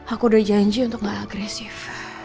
aku udah janji untuk gak agresif